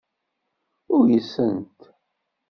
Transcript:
Uysent.